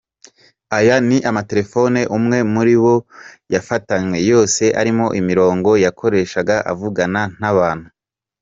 Aya ni amatelefone umwe muri bo yafatanywe, yose arimo imirongo yakoreshaga avugana n’abantu.